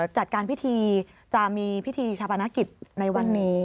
จัดการพิธีจะมีพิธีชาปนกิจในวันนี้